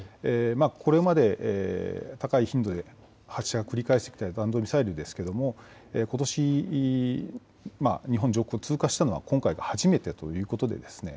これまで高い頻度で発射を繰り返してきた弾道ミサイルですけれども、ことし、日本上空を通過したのは今回が初めてということで。